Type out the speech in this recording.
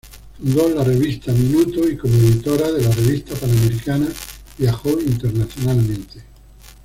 Fundó la "Revista" Minuto y como editora de la "Revista Pan-Americana", viajó internacionalmente.